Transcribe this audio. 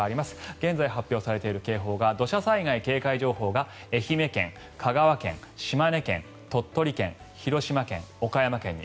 現在、発表されている警報が土砂災害警戒情報が愛媛県、香川県、島根県鳥取県、広島県、岡山県に。